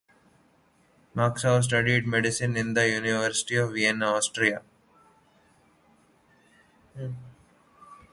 Marxow studied medicine in the University of Vienna, Austria.